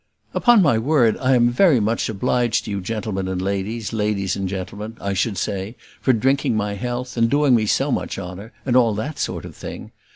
"Upon my word, I am very much obliged to you, gentlemen and ladies, ladies and gentlemen, I should say, for drinking my health, and doing me so much honour, and all that sort of thing.